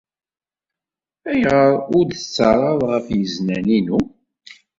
Ayɣer ur d-tettarraḍ ɣef yiznan-inu?